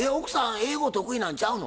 英語得意なんちゃうの？